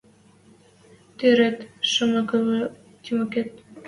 Тӹред шумыкыжы, Тимокет: